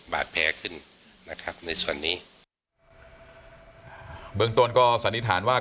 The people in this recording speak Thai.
เบื้องต้นก็สันนิษฐานว่า